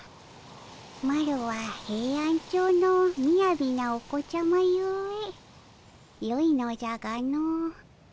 マロはヘイアンチョウのみやびなお子ちゃまゆえよいのじゃがの。